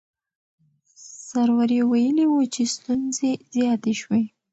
سروري ویلي وو چې ستونزې زیاتې شوې.